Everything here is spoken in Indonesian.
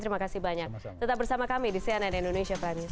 terima kasih banyak tetap bersama kami di cnn indonesia prime news